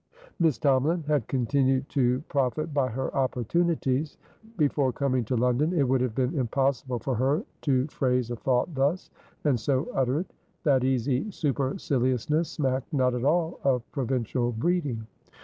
Miss Tomalin had continued to profit by her opportunities. Before coming to London, it would have been impossible for her to phrase a thought thus, and so utter it. That easy superciliousness smacked not at all of provincial breeding.